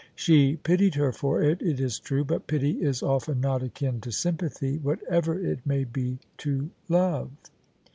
She pitied her for it, it is true: but pity IS often not akin to sympathy, whatever it may be to love.